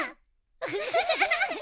ウフフフ。